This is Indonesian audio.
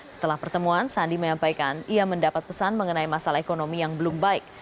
setelah pertemuan sandi menyampaikan ia mendapat pesan mengenai masalah ekonomi yang belum baik